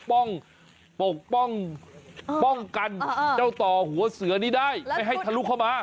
ปกป้องป้องกันเจ้าต่อหัวเสือนี้ได้ไม่ให้ทะลุเข้ามา